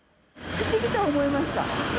不思議とは思いました。